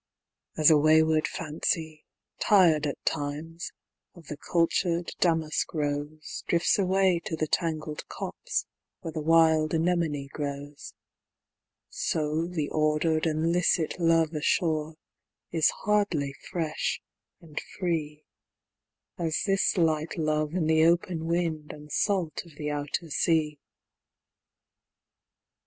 As a wayward Fancy, tired at times, of the cultured Damask Rose, Drifts away to the tangled copse, where the wild Anemone grows; So the ordered and licit love ashore, is hardly fresh and free As this light love in the open wind and salt of the outer sea.